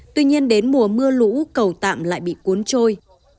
tuy nhiên đến mùa mưa lũ cầu tạm lại bị cuốn trôi